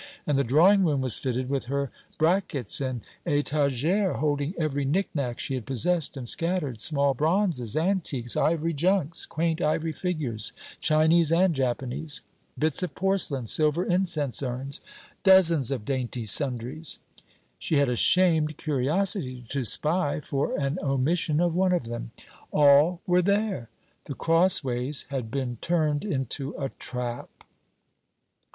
And the drawing room was fitted with her brackets and etageres, holding every knickknack she had possessed and scattered, small bronzes, antiques, ivory junks, quaint ivory figures Chinese and Japanese, bits of porcelain, silver incense urns, dozens of dainty sundries. She had a shamed curiosity to spy for an omission of one of them; all were there. The Crossways had been turned into a trap.